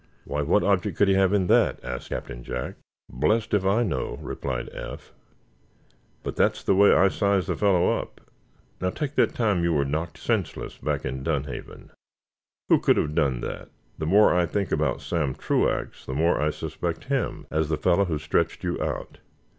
"Why, what object could he have in that?" asked Captain Jack. "Blessed if I know," replied Eph. "But that's the way I size the fellow up. Now, take that time you were knocked senseless, back in Dunhaven. Who could have done that? The more I think about Sam Truax, the more I suspect him as the fellow who stretched you out."